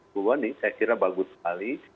bu bon ini saya kira bagus sekali